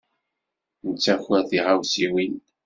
Nettaker tiɣawsiwin.